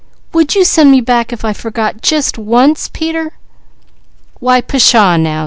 Would you send me back if I forget just once, Peter?" "Why pshaw now!"